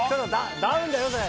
ダウンだよそれ。